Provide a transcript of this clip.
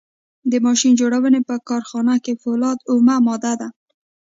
د ماشین جوړونې په کارخانه کې فولاد اومه ماده ده.